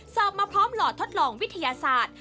เสิร์ฟมาพร้อมหลอดทดลองวิทยาศาสตร์